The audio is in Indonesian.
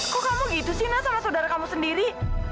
kok kamu gitu sih nasa sama saudara kamu sendiri